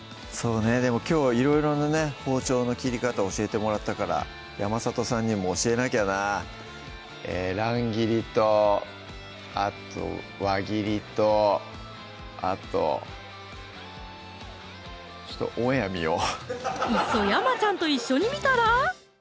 きょうはいろいろな包丁の切り方教えてもらったから山里さんにも教えなきゃな乱切りとあと輪切りとあといっそ山ちゃんと一緒に見たら？